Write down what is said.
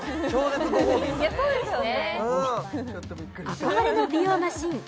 憧れの美容マシン